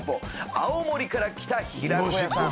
青森から来たひらこ屋さん。